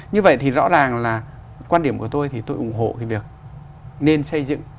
như vậy thì rõ ràng là quan điểm của tôi thì tôi ủng hộ cái việc nên xây dựng